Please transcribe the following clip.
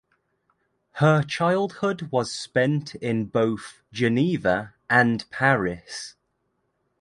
Her childhood was spent in both Geneva and Paris.